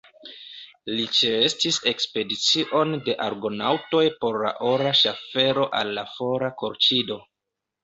Li ĉeestis ekspedicion de Argonaŭtoj por la ora ŝaffelo al la fora Kolĉido.